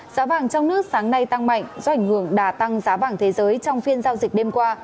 giá bảng trong nước sáng nay tăng mạnh do ảnh hưởng đã tăng giá bảng thế giới trong phiên giao dịch đêm qua